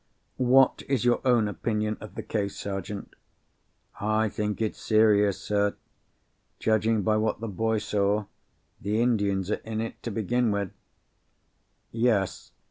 "What is your own opinion of the case, Sergeant?" "I think it's serious, sir. Judging by what the boy saw, the Indians are in it, to begin with." "Yes.